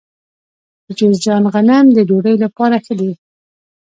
د جوزجان غنم د ډوډۍ لپاره ښه دي.